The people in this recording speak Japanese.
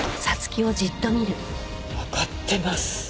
わかってます。